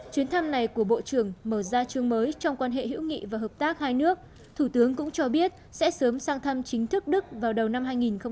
chuyến thăm này của bộ trưởng mở ra chương mới trong quan hệ hữu nghị và hợp tác hai nước thủ tướng cũng cho biết sẽ sớm sang thăm chính thức đức vào đầu năm hai nghìn hai mươi